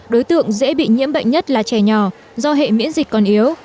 đối tượng dễ bị nhiễm bệnh nhất là trẻ nhỏ do hệ miễn dịch còn yếu